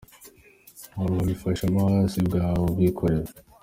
Hari uwabigufashije mo si wowe ubwawe ubyikorera?